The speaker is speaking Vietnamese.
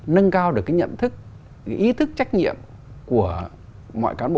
nâng cao được cái nhận thức cái ý thức trách nhiệm của mọi cán bộ